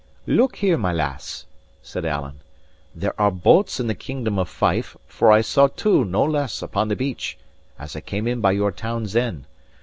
"Look here, my lass," said Alan, "there are boats in the Kingdom of Fife, for I saw two (no less) upon the beach, as I came in by your town's end.